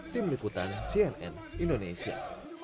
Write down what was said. tim liputan cnn indonesia